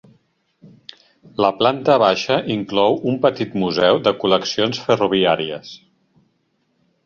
La planta baixa inclou un petit museu de col·leccions ferroviàries.